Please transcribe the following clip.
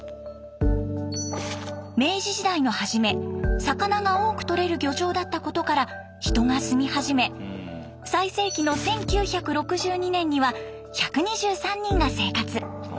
明治時代の初め魚が多く取れる漁場だったことから人が住み始め最盛期の１９６２年には１２３人が生活。